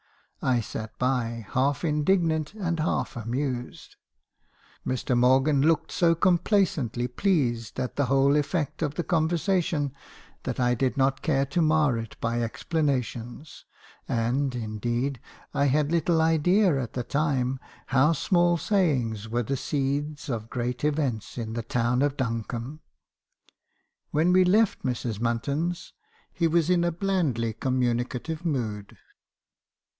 I sat by, half indignant and half amused. Mr. Morgan looked so complacently pleased at the whole effect of the conversation, that I did not care to mar it by explanations; and, indeed,*! had little idea at the time how small sayings were the seeds of great events in the town of Duncombe. When we left Mrs. Munton's he was in a blandly communicative mood.